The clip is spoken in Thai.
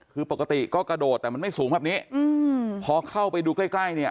คือปกติก็กระโดดแต่มันไม่สูงแบบนี้อืมพอเข้าไปดูใกล้ใกล้เนี่ย